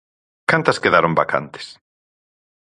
¿Cantas quedaron vacantes?